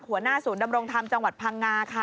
หัวหน้าศูนย์ดำรงธรรมจังหวัดพังงาค่ะ